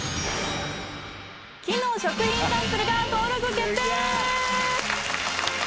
木の食品サンプルが登録決定！